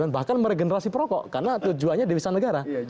bahkan meregenerasi perokok karena tujuannya devisa negara